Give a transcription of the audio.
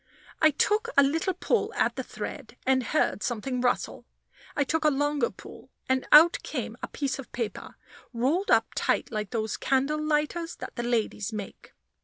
I took a little pull at the thread, and heard something rustle. I took a longer pull, and out came a piece of paper, rolled up tight like those candle lighters that the ladies make.